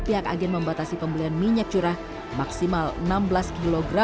pihak agen membatasi pembelian minyak curah maksimal enam belas kg